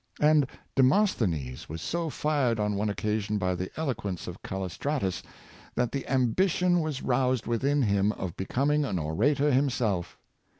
And Demosthenes was so fired on one occasion by the eloquence of Callis tratus, that the ambition was roused within him of be coming an orater himself.